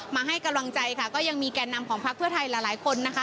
มาให้กำลังใจค่ะก็ยังมีแก่นำของพักเพื่อไทยหลายคนนะคะ